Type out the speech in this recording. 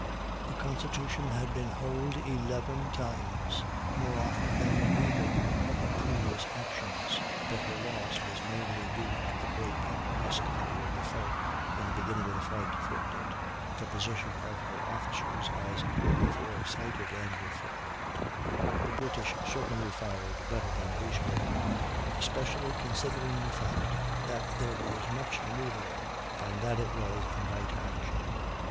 The Constitution had been hulled eleven times, more often than in either of her previous actions, but her loss was mainly due to the grape and musketry of the foe in the beginning of the fight. [Footnote: Deposition of her officers as before cited.] The British certainly fired better than usual, especially considering the fact that there was much manoeuvering, and that it was a night action.